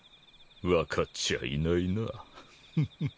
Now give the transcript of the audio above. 分かっちゃいないなうふふ。